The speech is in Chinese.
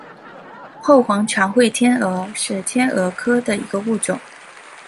后黄长喙天蛾是天蛾科的一个物种。